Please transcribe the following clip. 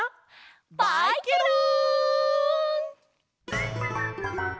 バイケロン！